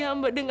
amba dan rangga